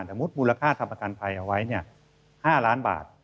แต่มุติมูลค่าทำประกันภัยเอาไว้๕ล้านบาท